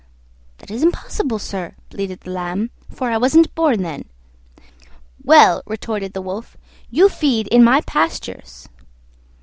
"That is impossible, sir," bleated the Lamb, "for I wasn't born then." "Well," retorted the Wolf, "you feed in my pastures."